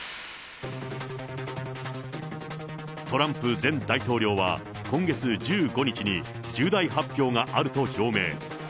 トランプ前大統領は今月１５日に重大発表があると表明。